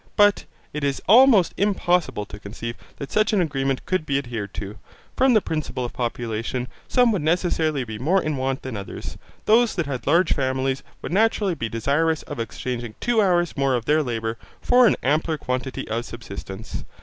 But it is almost impossible to conceive that such an agreement could be adhered to. From the principle of population, some would necessarily be more in want than others. Those that had large families would naturally be desirous of exchanging two hours more of their labour for an ampler quantity of subsistence.